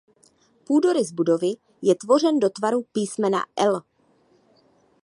Půdorys budovy je tvořen do tvaru písmena „L“.